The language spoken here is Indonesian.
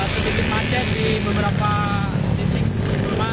sedikit panjang di beberapa titik perumahan